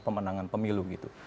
pemenangan pemilu gitu